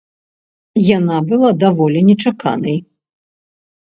Яна была даволі нечаканай.